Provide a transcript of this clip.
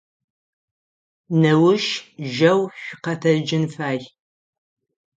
Неущ жьэу шъукъэтэджын фай.